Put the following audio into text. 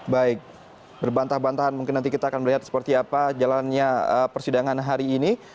baik berbantah bantahan mungkin nanti kita akan melihat seperti apa jalannya persidangan hari ini